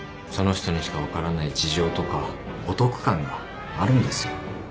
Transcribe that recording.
その人にしか分からない事情とかお得感があるんですよ。